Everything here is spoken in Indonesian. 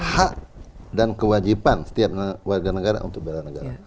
hak dan kewajiban setiap warga negara untuk bela negara